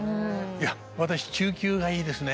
いや私中級がいいですね。